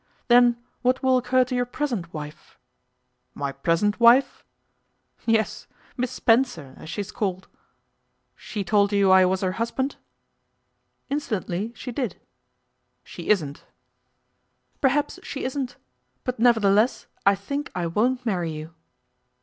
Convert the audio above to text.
'Then what will occur to your present wife?' 'My present wife?' 'Yes, Miss Spencer, as she is called.' 'She told you I was her husband?' 'Incidentally she did.' 'She isn't.' 'Perhaps she isn't. But, nevertheless, I think I won't marry you.